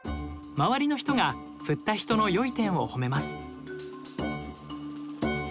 周りの人が振った人の良い点をほめます。